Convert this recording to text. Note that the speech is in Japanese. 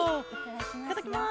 いただきます。